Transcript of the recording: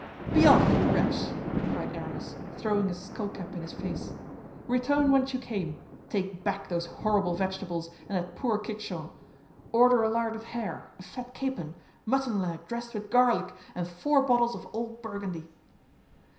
"Be off, you wretch!" cried Aramis, throwing his skullcap in his face. "Return whence you came; take back those horrible vegetables, and that poor kickshaw! Order a larded hare, a fat capon, mutton leg dressed with garlic, and four bottles of old Burgundy."